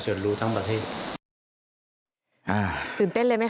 เป็นพิเศษบ้างหรือไม่